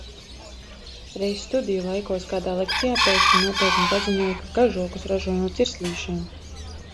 Reiz studiju laikos kādā lekcijā pēkšņi nopietni paziņoju, ka kažokus ražo no cirslīšiem.